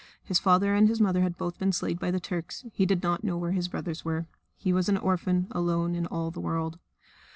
His father and his mother had both been slain by the Turks; he did not know where his brothers were. He was an orphan alone in all the world.